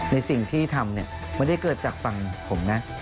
ในสิ่งที่ทำเนี่ยไม่ได้เกิดจากฝั่งผมนะ